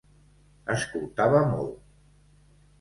Escoltava molt.